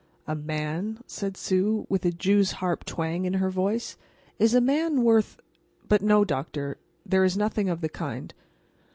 "A man?" said Sue, with a jew's harp twang in her voice. "Is a man worth—but, no, doctor; there is nothing of the kind."